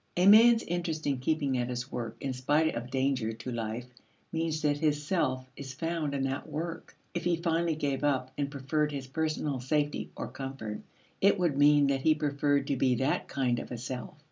A man's interest in keeping at his work in spite of danger to life means that his self is found in that work; if he finally gave up, and preferred his personal safety or comfort, it would mean that he preferred to be that kind of a self.